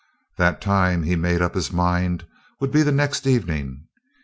That time, he made up his mind, would be the next evening.